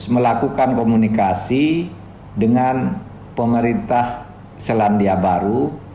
dan melakukan komunikasi dengan pemerintah selandia baru